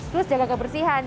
terus jaga kebersihan